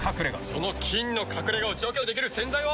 その菌の隠れ家を除去できる洗剤は。